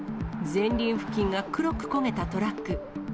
前輪付近が黒く焦げたトラック。